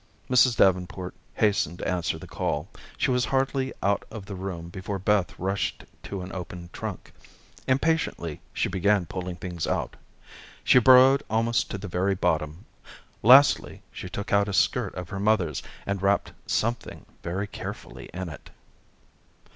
Mrs. Davenport hastened to answer the call. She was hardly out of the room before Beth rushed to an open trunk. Impatiently, she began pulling things out. She burrowed almost to the very bottom. Lastly, she took out a skirt of her mother's, and wrapped something very carefully in it.